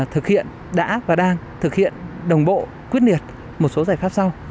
thực hiện đã và đang thực hiện đồng bộ quyết liệt một số giải pháp sau